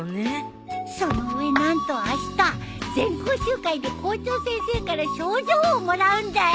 その上何とあした全校集会で校長先生から賞状をもらうんだよ。